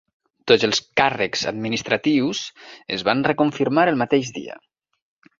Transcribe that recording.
Tots els càrrecs administratius es van reconfirmar el mateix dia.